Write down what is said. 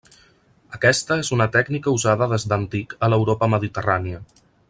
Aquesta és una tècnica usada des d'antic a l'Europa mediterrània.